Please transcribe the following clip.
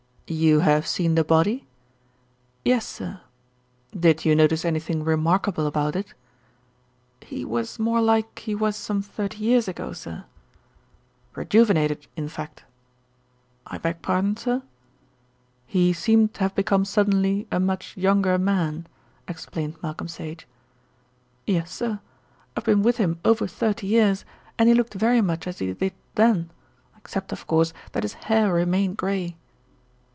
"You have seen the body?" "Yes, sir." "Did you notice anything remarkable about it?" "He was more like he was some thirty years ago, sir." "Rejuvenated in fact." "I beg pardon, sir?" "He seemed to have become suddenly a much younger man?" explained Malcolm Sage. "Yes, sir. I've been with him over thirty years, and he looked very much as he did then, except, of course, that his hair remained grey."